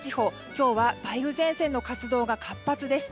今日は梅雨前線の活動が活発です。